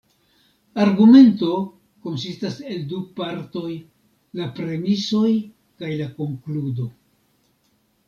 Argumento konsistas el du partoj: la premisoj kaj la konkludo.